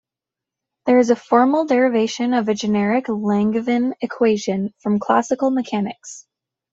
There is a formal derivation of a generic Langevin equation from classical mechanics.